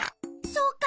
そうか。